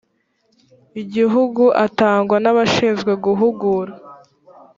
igihugu atangwa n abashinzwe guhugura